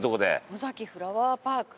オザキフラワーパーク。